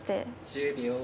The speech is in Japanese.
１０秒。